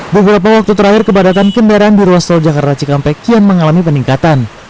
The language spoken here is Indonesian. beberapa waktu terakhir kepadatan kendaraan di ruas tol jakarta cikampek kian mengalami peningkatan